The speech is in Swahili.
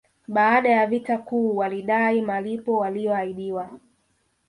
Baada ya vita kuu walidai malipo waliyoahidiwa